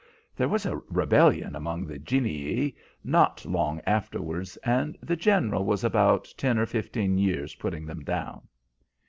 There was a rebellion among the genii not long afterwards, and the General was about ten or fifteen years putting them down."